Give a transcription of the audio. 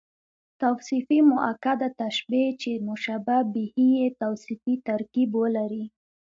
توصيفي مؤکده تشبیه، چي مشبه به ئې توصیفي ترکيب ولري.